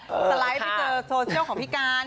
สไลด์ไปเจอโซเชียลของพี่การ